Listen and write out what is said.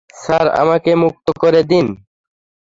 Sir, আমাকে মুক্ত করে দিন।